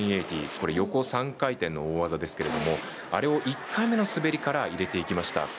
これ横３回転の大技ですけれどもあれを１回目の滑りから入れていきました。